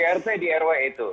di rt di rw itu